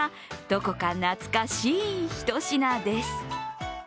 どこか懐かしいひと品です。